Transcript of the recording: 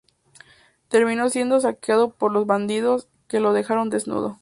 Terminó siendo saqueado por los bandidos, que lo dejaron desnudo.